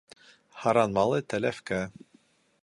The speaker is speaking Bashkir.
Һаран малы тәләфкә.